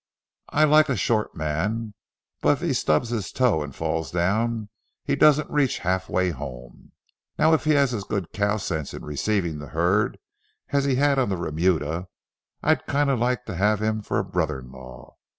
I like a short man; if he stubs his toe and falls down he doesn't reach halfway home. Now, if he has as good cow sense in receiving the herd as he had on the remuda, I'd kind o' like to have him for a brother in law.